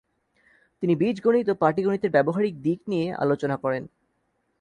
তিনি বীজগণিত ও পাটিগণিতের ব্যবহারিক দিক নিয়ে আলোচনা করেন।